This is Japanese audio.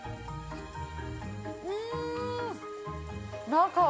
うん！